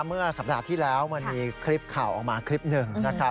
เมื่อสัปดาห์ที่แล้วมันมีคลิปข่าวออกมาคลิปหนึ่งนะครับ